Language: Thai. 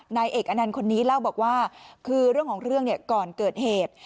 นายเอกอนันต์คนนี้เล่าบอกว่าคือเรื่องของเรื่องเนี่ยก่อนเกิดเหตุ